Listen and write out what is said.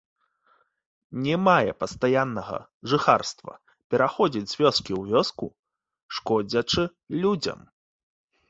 Не мае пастаяннага жыхарства, пераходзіць з вёскі ў вёску, шкодзячы людзям.